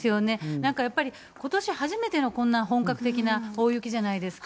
なんかやっぱり、ことし初めてのこんな本格的な大雪じゃないですか。